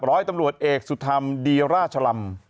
ร้อยตำรวจเอกสุธรรมดีราชลำ